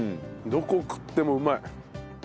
どこ食ってもうまい。